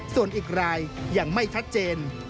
ส่วนอีกรายยังไม่ชัดเจน